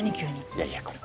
いやいやこれ。